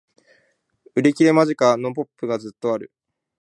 売り切れ間近！のポップがずっとある